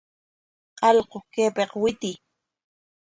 ¡Allqu, kaypik witiy!